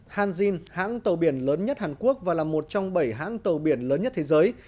hanzin hãng tàu biển lớn nhất hàn quốc và là một trong bảy hãng tàu biển lớn nhất thế giới